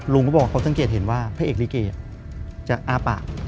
เขาบอกเขาสังเกตเห็นว่าพระเอกลิเกจะอ้าปาก